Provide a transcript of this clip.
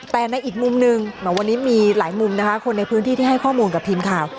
แต่ในอีกมุมหนึ่งวันนี้มีหลายมุมนะคะคนในพื้นที่ที่ให้ข้อมูลกับทีมข่าว